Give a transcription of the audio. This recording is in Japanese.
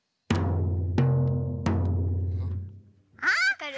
わかる？